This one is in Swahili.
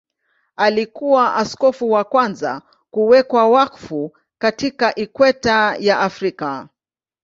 Alikuwa askofu wa kwanza kuwekwa wakfu katika Ikweta ya Afrika.